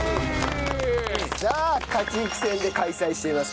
さあ勝ち抜き戦で開催しています